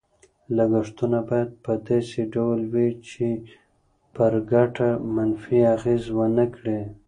لګښتونه باید په داسې ډول وي چې پر ګټه منفي اغېز ونه کړي.